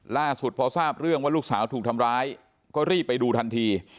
ล่าสุดพอทราบเรื่องว่าลูกสาวถูกทำร้ายก็รีบไปดูทันที